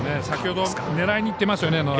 先ほど、狙いにいってますよね